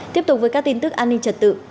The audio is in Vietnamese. tiếp tục với các tin tức an ninh trật tự